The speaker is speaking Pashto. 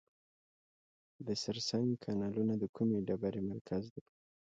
د سرسنګ کانونه د کومې ډبرې مرکز دی؟